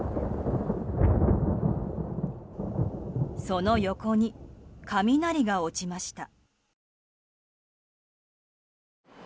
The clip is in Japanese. その横に、雷が落ちました。